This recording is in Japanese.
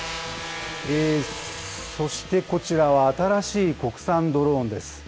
そしてこちらは、新しい国産ドローンです。